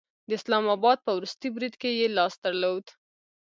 د اسلام آباد په وروستي برید کې یې لاس درلود